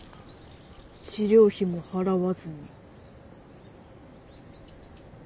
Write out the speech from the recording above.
治療費も払わずに。